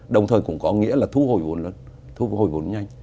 đồng thời cũng có nghĩa là thu hồi vốn nhanh